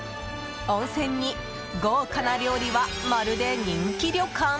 温泉に豪華な料理はまるで人気旅館？